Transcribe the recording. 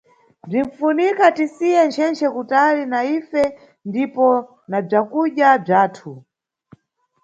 Bzinʼfunika tisiye nchenche kutali na ife ndipo na bzakudya bzathu.